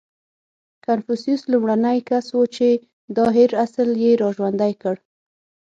• کنفوسیوس لومړنی کس و، چې دا هېر اصل یې راژوندی کړ.